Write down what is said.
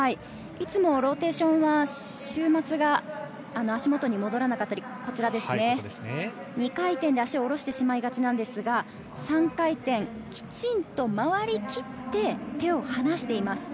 いつもローテーションは、終末が足元に戻らなかったり、２回転で足を下ろしてしまいがちですが、３回転きちんと回りきって、手を離しています。